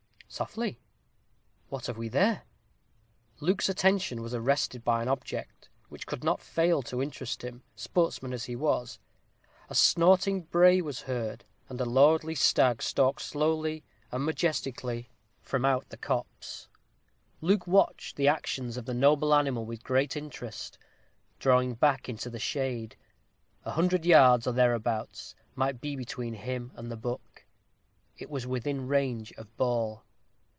Softly, what have we there?" Luke's attention was arrested by an object which could not fail to interest him, sportsman as he was. A snorting bray was heard, and a lordly stag stalked slowly and majestically from out the copse. Luke watched the actions of the noble animal with great interest, drawing back into the shade. A hundred yards, or thereabouts, might be between him and the buck. It was within range of ball.